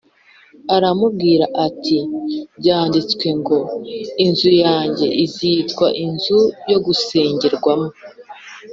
arababwira ati “Byanditswe ngo ‘Inzu yanjye izitwa inzu yo gusengerwamo’